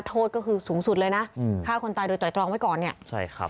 โทษก็คือสูงสุดเลยนะฆ่าคนตายโดยตรอยตรองไว้ก่อนเนี่ย